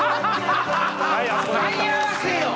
間に合わせよ！